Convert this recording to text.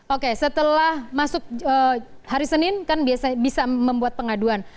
oke setelah masuk hari senin kan bisa membuat pengaduan